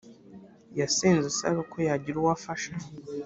yasenze asaba ko yagira uwo afasha